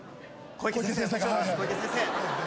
小池先生が。